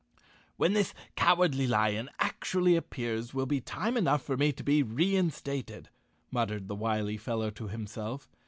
"When this Cowardly Lion actually appears will be time enough for me to be reinstated," muttered the wily fellow to himself.